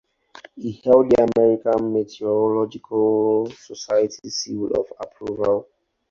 He held the American Meteorological Society Seal of Approval.